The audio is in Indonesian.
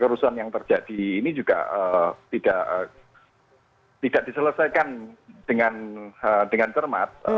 kerusuhan yang terjadi ini juga tidak diselesaikan dengan cermat